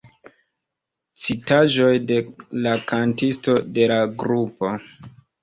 Citaĵoj de la kantisto de la grupo.